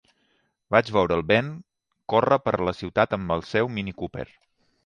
Vaig veure el Ben córrer per la ciutat amb el seu Mini Cooper.